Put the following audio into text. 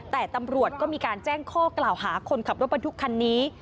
แต่ตำรวจก็มีการแจ้งข้อกล่าวหาคนขับรถบรรทุกคันนี้